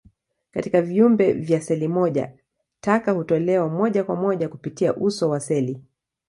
Katika viumbe vya seli moja, taka hutolewa moja kwa moja kupitia uso wa seli.